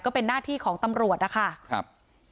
ก็เป็นหน้าที่ของตำรวจนะคะครับ